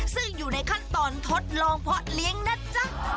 ซึ่งอยู่ในขั้นตอนทดลองเพาะเลี้ยงนะจ๊ะ